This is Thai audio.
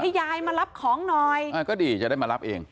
ยายมารับของหน่อยอ่าก็ดีจะได้มารับเอง